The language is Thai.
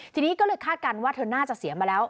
ทีนี้ก็เลยคาดการณ์ว่าเธอน่าจะเสียมาแล้ว